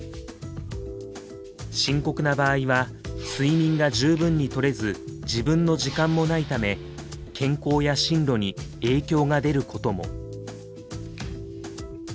深刻な場合は睡眠が十分にとれず自分の時間もないため健康や進路に影響が出ることも。